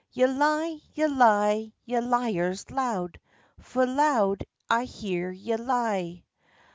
"Ye lie, ye lie, ye liars loud! Fu' loud I hear ye lie!